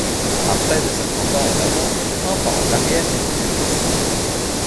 Après de certains pas en avant, un pas en arrière n’est plus possible.